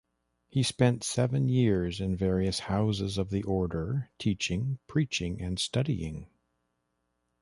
He spent seven years in various houses of the order, teaching, preaching and studying.